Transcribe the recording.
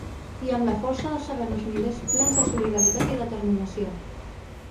I amb la força de saber-nos milers plens de solidaritat i determinació.